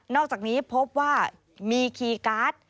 อกจากนี้พบว่ามีคีย์การ์ด